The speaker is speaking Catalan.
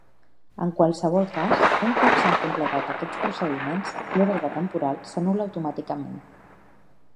En qualsevol cas, un cop s'han completat aquests procediments, l'ordre temporal s'anul·la automàticament.